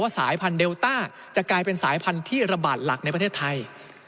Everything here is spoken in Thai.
สายพันธุเดลต้าจะกลายเป็นสายพันธุ์ที่ระบาดหลักในประเทศไทย